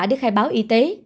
để khai báo y tế